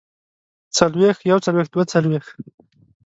څلوېښت يوڅلوېښت دوه څلوېښت